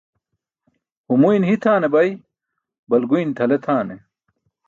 humuyn hitʰaane bay, balguyn tʰale tʰane.